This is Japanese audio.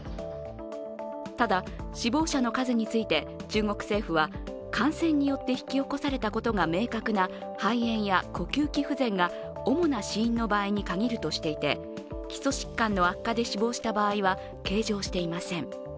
ただ死亡者の数について中国政府は感染によって引き起こされたことが明確な肺炎や呼吸器不全が主な死因の場合に限るとしていて基礎疾患の悪化で死亡した場合は計上していません。